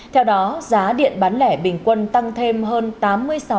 theo đó giá điện bán lẻ bình quân tăng thêm hơn tám mươi sáu bốn trăm một mươi sáu đồng một kwh